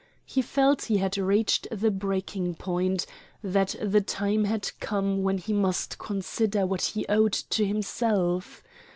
He felt he had reached the breaking point; that the time had come when he must consider what he owed to himself.